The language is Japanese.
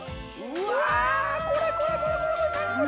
うわこれこれ。